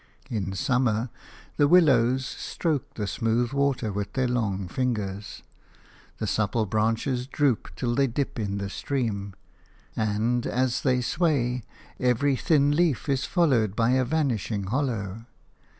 In summer the willows stroke the smooth water with their long fingers. The supple branches droop until they dip in the stream, and, as they sway, every thin leaf is followed by a vanishing hollow.